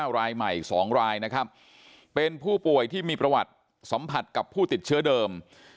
รายใหม่๒รายนะครับเป็นผู้ป่วยที่มีประวัติสัมผัสกับผู้ติดเชื้อเดิม